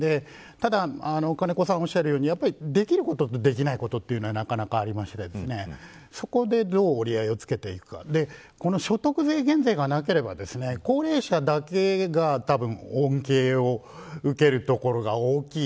ただ金子さんがおっしゃるようにできることと、できないことがありましてそこでどう折り合いをつけていくかこの所得税減税がなければ高齢者だけが、たぶん恩恵を受けるところが大きい。